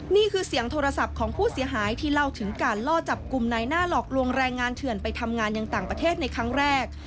นี่คือเสียงโทรศัพท์ของผู้เสียหายที่เล่าถึงการล่อจับกลุ่มในหน้าหลอกลวงแรงงานเถื่อนไปทำงานอย่างต่างประเทศในครั้งแรก